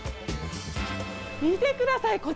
見てください。